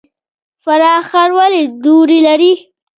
فراه ښار ولې دوړې لري؟